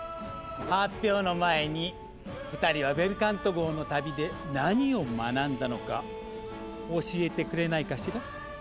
発表の前に２人はベルカント号の旅で何を学んだのか教えてくれないかしら。